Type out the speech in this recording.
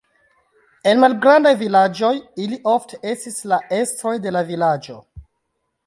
En malgrandaj vilaĝoj ili ofte estis la estroj de la vilaĝo.